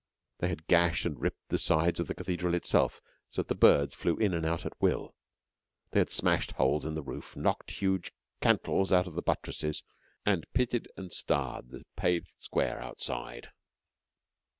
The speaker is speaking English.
They had gashed and ripped the sides of the cathedral itself, so that the birds flew in and out at will; they had smashed holes in the roof; knocked huge cantles out of the buttresses, and pitted and starred the paved square outside.